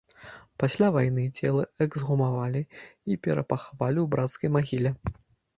Пасля вайны целы эксгумавалі і перапахавалі ў брацкай магіле.